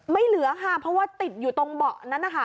เหลือค่ะเพราะว่าติดอยู่ตรงเบาะนั้นนะคะ